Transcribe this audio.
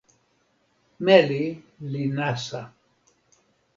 meli li nasa.